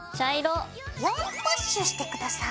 ４プッシュして下さい。